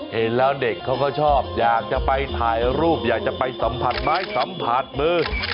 เห็นแล้วเด็กเขาก็ชอบอยากจะไปถ่ายรูปอยากจะไปสัมผัสไม้สัมผัสมือ